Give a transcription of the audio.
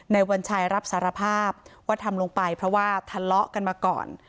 วัญชัยรับสารภาพว่าทำลงไปเพราะว่าทะเลาะกันมาก่อน